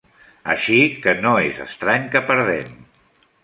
Així que no és estrany que perdem.